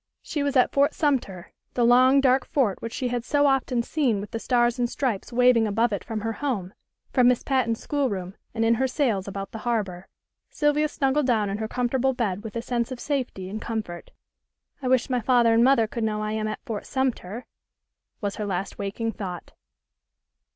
She was at Fort Sumter, the long dark fort which she had so often seen with the Stars and Stripes waving above it from her home, from Miss Patten's schoolroom, and in her sails about the harbor. Sylvia snuggled down in her comfortable bed with a sense of safety and comfort. "I wish my father and mother could know I am at Fort Sumter," was her last waking thought.